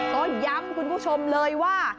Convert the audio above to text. ก็ย้ำคุณผู้ชมเลยว่า